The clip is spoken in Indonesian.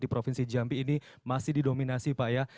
di provinsi jambi ini masih didominasi pak ya